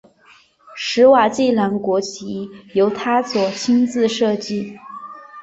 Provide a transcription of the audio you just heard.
史瓦济兰国旗由他所亲自设计。